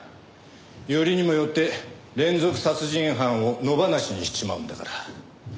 よりにもよって連続殺人犯を野放しにしちまうんだから。